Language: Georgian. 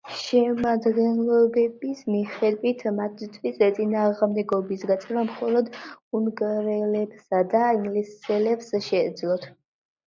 შემადგენლობების მიხედვით მათთვის წინააღმდეგობის გაწევა მხოლოდ უნგრელებსა და ინგლისელებს შეეძლოთ.